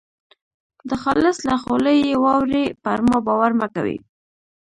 د خالص له خولې یې واورۍ پر ما باور مه کوئ.